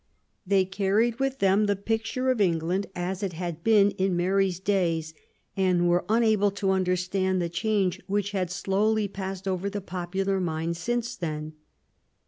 They carried with them the picture of Eng land as it had been in Mary's days, and were unable to understand the change which had slowly passed over the popular mind since then.